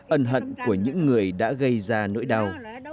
ân hận của những người đã gây ra nỗi đau